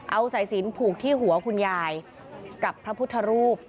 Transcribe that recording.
เอาสายสินผูกที่หัวคุณยายกับพระพุทธรูป